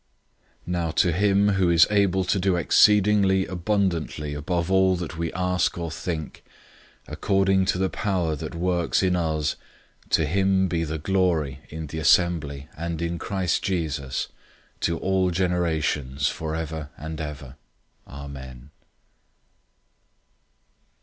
003:020 Now to him who is able to do exceedingly abundantly above all that we ask or think, according to the power that works in us, 003:021 to him be the glory in the assembly and in Christ Jesus to all generations forever and ever. Amen.